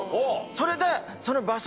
それで。